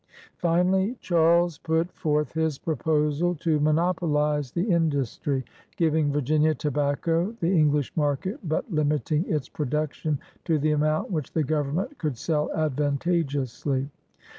Finally Charles put forth his proposal to monopolize the industry, giving Virginia tobacco the English market but limiting its production to the amount which the Government could sell advantageously.